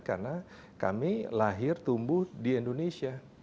karena kami lahir tumbuh di indonesia